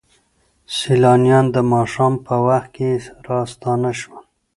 سیلانیان د ماښام په وخت کې راستانه شول.